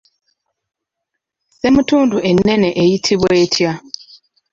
Ssemutundu ennene eyitibwa etya?